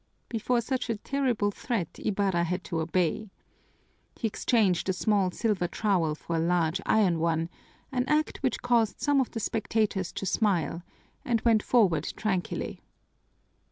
Before such a terrible threat Ibarra had to obey. He exchanged the small silver trowel for a large iron one, an act which caused some of the spectators to smile, and went forward tranquilly.